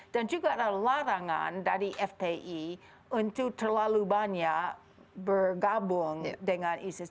dan juga ada larangan dari fpi untuk terlalu banyak bergabung dengan isis